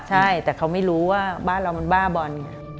ใช่แต่เขาไม่รู้ว่าบ้านเรามันบ้าบอลไง